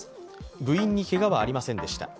部員にけがはありませんでした。